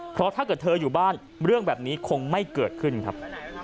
เพราะถ้าเกิดเธออยู่บ้านเรื่องแบบนี้คงไม่เกิดขึ้นครับ